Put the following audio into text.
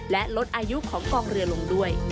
และลดอายุของกองเรือลงด้วย